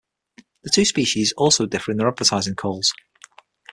The two species also differ in their advertising calls.